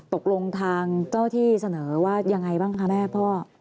ตกลงทางเจ้าที่เสนอว่ายังไงบ้างคะแม่พ่อ